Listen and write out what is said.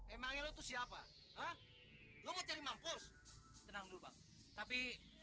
emangnya itu siapa hah lo mau cari mampus tenang dulu tapi